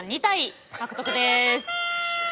２体獲得です。